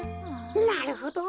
なるほど！